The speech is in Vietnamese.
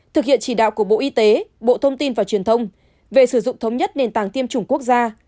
thực hiện chỉ đạo của bộ y tế bộ thông tin và truyền thông về sử dụng thống nhất nền tảng tiêm chủng quốc gia